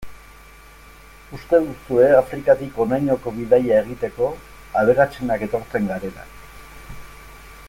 Uste duzue Afrikatik honainoko bidaia egiteko, aberatsenak etortzen garela.